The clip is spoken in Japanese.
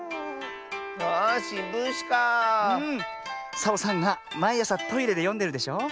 サボさんがまいあさトイレでよんでるでしょ？